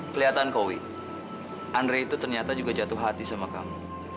kelihatan kowi andre itu ternyata juga jatuh hati sama kamu